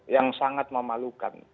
yang sangat memalukan